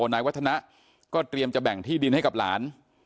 นายวัฒนะก็เตรียมจะแบ่งที่ดินให้กับหลาน